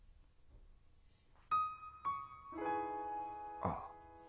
ああ。